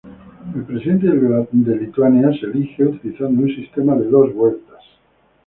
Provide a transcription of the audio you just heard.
El presidente de Lituania es elegido utilizando un sistema de dos rondas.